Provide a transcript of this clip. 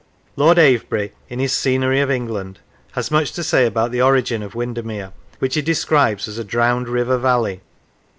Lord Avebury, in his " Scenery of England," has much to say about the origin of Winder mere, which he describes as a " drowned river valley."